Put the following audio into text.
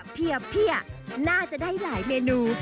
เพียบน่าจะได้หลายเมนู